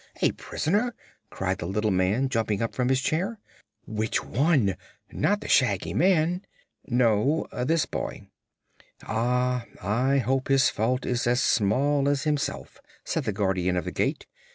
A prisoner?" cried the little man, jumping up from his chair. "Which one? Not the Shaggy Man?" "No; this boy." "Ah; I hope his fault is as small as himself," said the Guardian of the Gate.